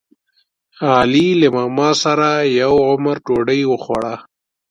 علي له ماماسره یو عمر ډوډۍ وخوړه.